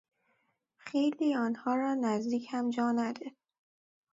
خیلی آنها را نزدیک هم جا نده.